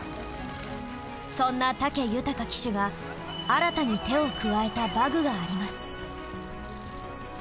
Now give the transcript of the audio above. そんな武豊騎手が新たに手を加えた馬具があります。